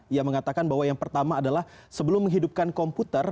ia mengatakan bahwa yang pertama adalah sebelum menghidupkan komputer